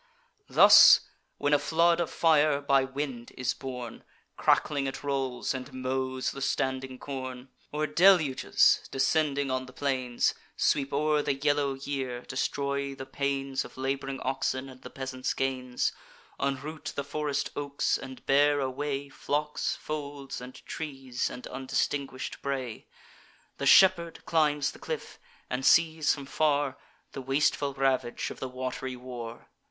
Thus, when a flood of fire by wind is borne, Crackling it rolls, and mows the standing corn; Or deluges, descending on the plains, Sweep o'er the yellow ear, destroy the pains Of lab'ring oxen and the peasant's gains; Unroot the forest oaks, and bear away Flocks, folds, and trees, and undistinguish'd prey: The shepherd climbs the cliff, and sees from far The wasteful ravage of the wat'ry war.